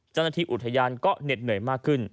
จันทร์ที่อุทยันก็เหน็ดเหนื่อยมากขึ้น